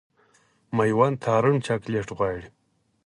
مېوند تارڼ چاکلېټ غواړي.